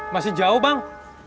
masih jauh bang